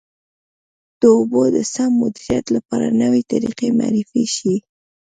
د اوبو د سم مدیریت لپاره نوې طریقې معرفي شي.